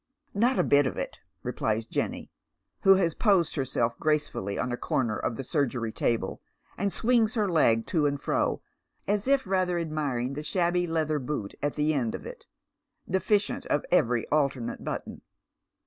" Not a bit of it," replies Jenny, who has posed herself grace fully on a corner of the surgery table and swings her leg to and fro, as if rather admiring tlie shabby leather boot at the end of it, deficient of every alternate button.